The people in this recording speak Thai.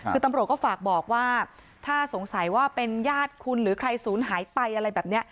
คือตำรวจก็ฝากบอกว่าถ้าสงสัยว่าเป็นญาติคุณหรือใครศูนย์หายไปอะไรแบบนี้